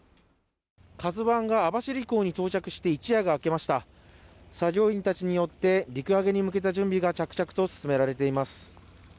「ＫＡＺＵ１」が網走港に到着して一夜が明けました作業員たちによって陸揚げに向けた準備が着々と進められています